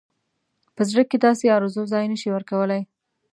په زړه کې داسې آرزو ځای نه شي ورکولای.